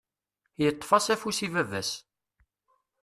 Yeṭṭef-as afus i baba-s.